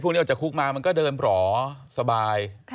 พวกนี้เอาจากคุกมามันก็เดินหรอสบาย